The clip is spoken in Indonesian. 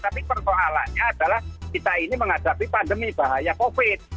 tapi persoalannya adalah kita ini menghadapi pandemi bahaya covid